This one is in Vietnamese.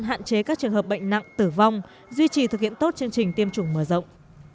hạn chế các trường hợp bệnh nặng tử vong duy trì thực hiện tốt chương trình tiêm chủng mở rộng